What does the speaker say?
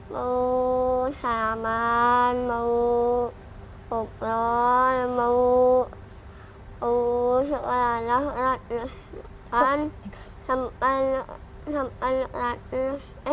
mau salaman mau pokrol mau sekolah gratis